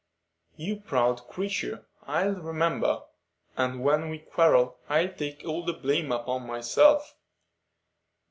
"You proud creature! I'll remember; and when we quarrel, I'll take all the blame upon myself."